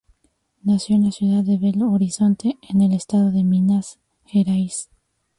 Nació en la ciudad de Belo Horizonte, en el estado de Minas Gerais.